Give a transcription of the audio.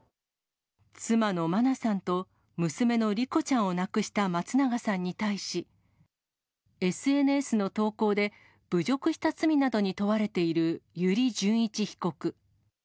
妻の真菜さんと娘の莉子ちゃんを亡くした松永さんに対し、ＳＮＳの投稿で、侮辱した罪などに問われている油利潤一被告。